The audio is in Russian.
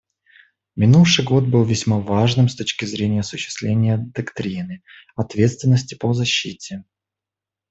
Минувший год был весьма важным с точки зрения осуществления доктрины «ответственности по защите».